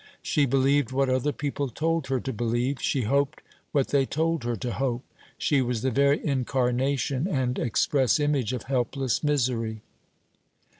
She believed what other people told her to believe, she hoped what they told her to hope. She was the very incarnation and express image of helpless misery.